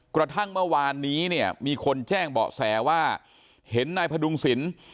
กระทั่งเมื่อวานนี้เนี่ยมีคนแจ้งเบาะแสว่าเห็นนายพดุงศิลป์